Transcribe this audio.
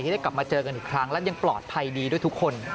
ได้กลับมาเจอกันอีกครั้งและยังปลอดภัยดีด้วยทุกคน